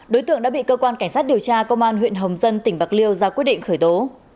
đối tượng đã bị cơ quan cảnh sát điều tra công an huyện hồng dân tỉnh bạc liêu ra quyết định khởi tố